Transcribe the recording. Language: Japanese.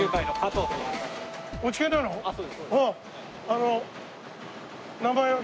あの名前は？